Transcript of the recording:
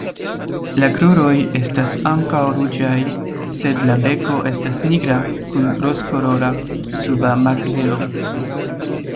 La kruroj estas ankaŭ ruĝaj sed la beko estas nigra kun rozkolora suba makzelo.